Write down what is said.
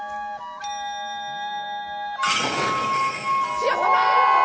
千代様！